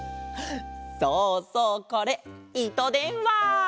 そうそうこれいとでんわ！